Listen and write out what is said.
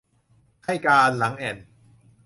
ไข้กาฬหลังแอ่น